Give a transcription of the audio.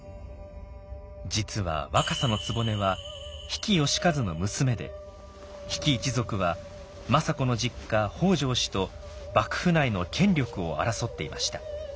実は若狭局は比企能員の娘で比企一族は政子の実家北条氏と幕府内の権力を争っていました。